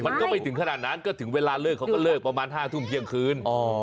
มันก็ไม่ถึงขนาดนั้นก็ถึงเวลาเลิกเขาก็เลิกประมาณ๕ทุ่มเที่ยงคืน